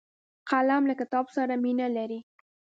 قلم له کتاب سره مینه لري